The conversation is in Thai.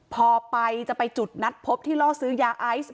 พอไปจะไปจุดนัดพบที่ล่อซื้อยาไอซ์